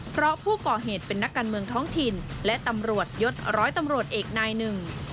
เพราะผู้ก่อเหตุเป็นนักการเมืองท้องถิ่นและตำรวจยศร้อยตำรวจเอกนายหนึ่ง